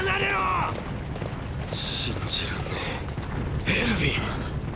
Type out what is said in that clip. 信じらんねぇエルヴィン